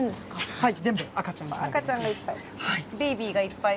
はい。